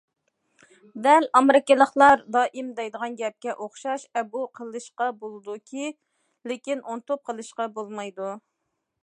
دەل ئامېرىكىلىقلار دائىم دەيدىغان گەپكە ئوخشاش ئەبۇ قىلىشقا بولىدۇكى، لېكىن ئۇنتۇپ قېلىشقا بولمايدۇ.